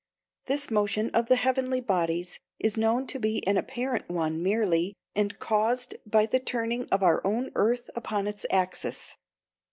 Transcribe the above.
This motion of the heavenly bodies is known to be an apparent one merely, and caused by the turning of our own earth upon its axis.